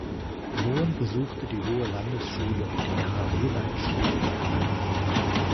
Mohn besuchte die Hohe Landesschule und die Karl-Rehbein-Schule in Hanau.